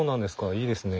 いいですね。